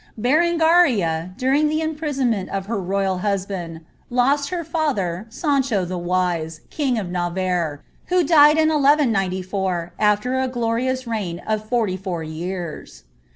^ Berengaria, during the imprisonment of her royal husband, lost her father, Sancho the Wise, king of Navarre, who died in 1194,' after a glorious reign of forty four years.